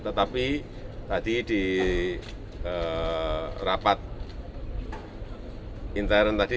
tetapi tadi di rapat intern tadi